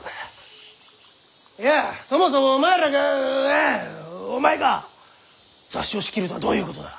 いやそもそもお前らがいやお前が雑誌を仕切るとはどういうことだ？